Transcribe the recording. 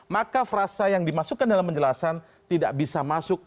maka frasa yang dimasukkan dalam penjelasan tidak bisa masuk